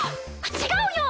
違うよ！